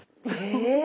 え